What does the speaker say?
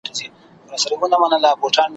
پرون یې بیا راته په شپو پسي شپې ولیکلې ,